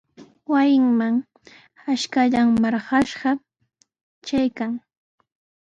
Wasinman ashkallan marqashqa trarqan.